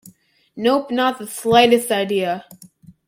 Nope, not the slightest idea.